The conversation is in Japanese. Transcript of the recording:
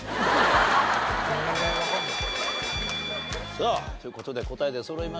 さあという事で答え出そろいました。